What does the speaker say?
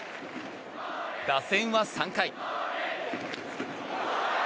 打線は３回。